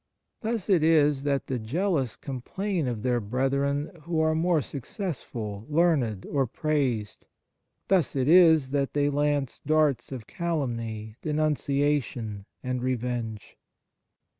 Thus it is that the jealous com plain of their brethren who are more success ful, learned, or praised ; thus it is that they lance darts of calumny, denunciation, and revenge.